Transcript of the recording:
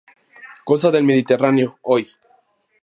Costa del Mediterráneo, hoy.